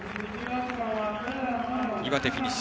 岩手、フィニッシュ。